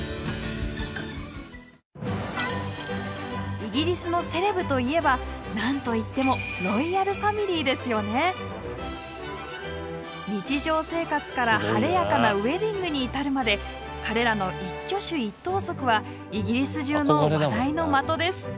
イギリスのセレブといえばなんといっても日常生活から晴れやかなウエディングに至るまで彼らの一挙手一投足はイギリス中の話題の的です。